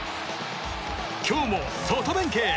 今日も外弁慶！